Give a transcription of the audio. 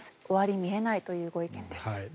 終わり見えないというご意見です。